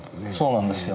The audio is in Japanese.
そうなんですよ。